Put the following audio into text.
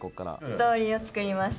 ストーリーをつくります。